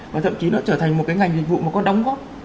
và thậm chí nó trở thành một cái ngành dịch vụ mà có đóng góp